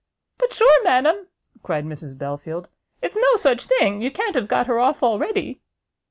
"But sure, madam," cried Mrs Belfield, "it's no such thing? You can't have got her off already?"